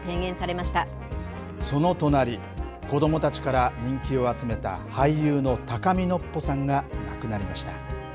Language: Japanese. その隣、子どもたちから人気を集めた俳優の高見のっぽさんが亡くなりまし